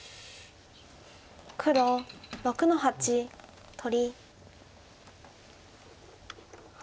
黒６の八取り。